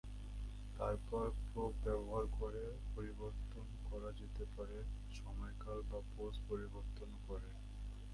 তারপর প্রোপ ব্যবহার করে পরিবর্তন করা যেতে পারে, সময়কাল বা পোজ পরিবর্তন করে।